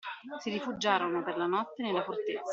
Si rifugiarono, per la notte, nella fortezza.